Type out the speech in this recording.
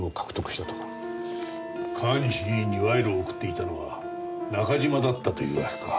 議員に賄賂を贈っていたのは中島だったというわけか。